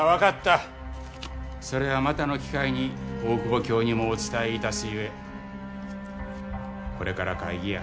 それはまたの機会に大久保にもお伝えいたすゆえこれから会議や。